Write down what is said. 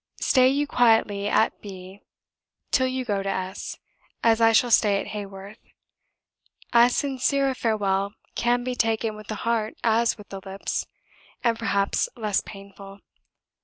Stay you quietly at B., till you go to S., as I shall stay at Haworth; as sincere a farewell can be taken with the heart as with the lips, and perhaps less painful.